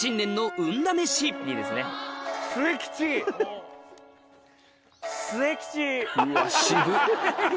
うわ渋っ。